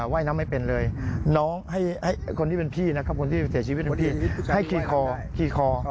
ว่ายน้ำไม่เป็นเลยน้องให้คนที่เป็นพี่นะครับคนที่เสียชีวิตเป็นพี่